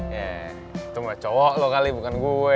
ya itu mah cowok lo kali bukan gue